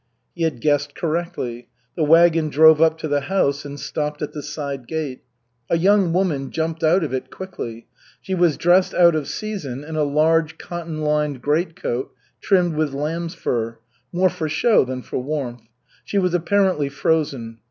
He had guessed correctly. The wagon drove up to the house and stopped at the side gate. A young woman jumped out of it quickly. She was dressed out of season in a large cotton lined greatcoat trimmed with lamb's fur, more for show than for warmth. She was apparently frozen.